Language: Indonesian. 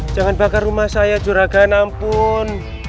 jangan bakar rumah saya juragan ampun